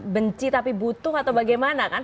benci tapi butuh atau bagaimana kan